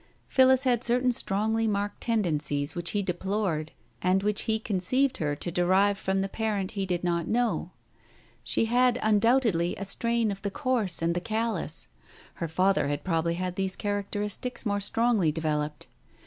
Phillis had certain strongly marked tendencies which he deplored, and which he conceived her to derive from the parent he did not know. She had undoubtedly a strain of the coarse and the callous ; her father had probably had these characteristics more strongly developed.